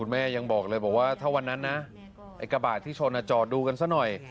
แม่ยังบอกเลยถ้าวันนั้นไอ้กะบาดที่ชนอจรดูกันซะหน่อย